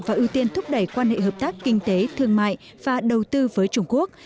và ưu tiên thúc đẩy quan hệ hợp tác kinh tế thương mại và đầu tư với trung quốc